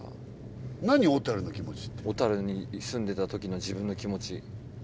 小樽に住んでた時の自分の気持ち。